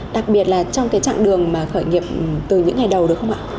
đặc biệt là trong cái trạng đường khởi nghiệp từ những ngày đầu được không ạ